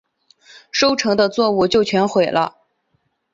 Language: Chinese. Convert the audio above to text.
收成的作物就全毁了